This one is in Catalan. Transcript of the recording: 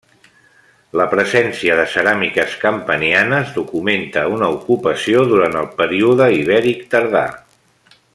La presència de ceràmiques campanianes documenta una ocupació durant el període ibèric tardà.